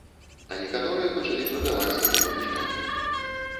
А некаторыя пачалі прадаваць свае памяшканні.